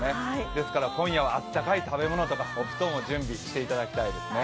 なので今日は温かい食べ物とかお布団を準備していただきたいですね。